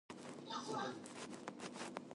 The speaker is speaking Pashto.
په افغانستان کي د تعلیم کچه ډيره ټیټه ده، بايد لوړه شي